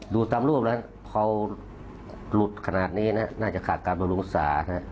ดูตามรูปแล้วพอหลุดขนาดนี้น่ะน่าจะขาดการบริลุงศานะฮะ